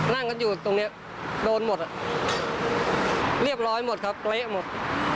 นั่งกันอยู่ตรงนี้โดนหมดอ่ะเรียบร้อยหมดครับเละหมด